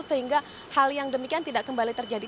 sehingga hal yang demikian tidak kembali terjadi